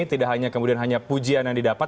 tidak hanya kemudian hanya pujian yang didapat